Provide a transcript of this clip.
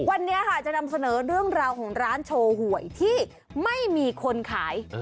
วันนี้ค่ะจะนำเสนอเรื่องราวของร้านโชว์หวยที่ไม่มีคนขาย